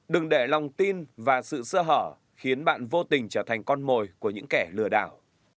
đừng để lòng tin và sự sơ hở khiến bạn vô tình trở thành con mồi của những kẻ lừa đảo